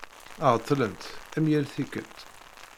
Ɛeṭṭlent, am yal tikelt.